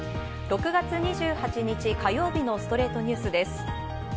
６月２８日、火曜日の『ストレイトニュース』です。